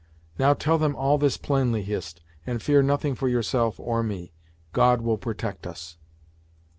Now tell them all this plainly, Hist, and fear nothing for yourself or me. God will protect us."